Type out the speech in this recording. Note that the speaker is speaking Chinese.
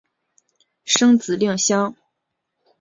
生子令香。